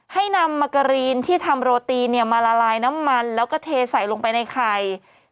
ให้นำมาการีนที่ทำโรตีมาละลายน้ำมันแล้วก็เทใส่ลงไปในไข่